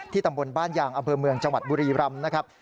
ตำบลบ้านยางอำเภอเมืองจังหวัดบุรีรำนะครับ